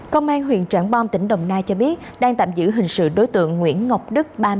công an huyện trảng bom tỉnh đồng nai cho biết đang tạm giữ hình sự đối tượng nguyễn ngọc đức